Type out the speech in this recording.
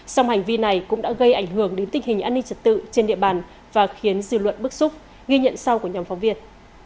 song hành vi này cũng đã gây ảnh hưởng đến tình hình an ninh trật tự trên địa bàn và khiến dư luận bức xúc ghi nhận sau của nhóm phóng viên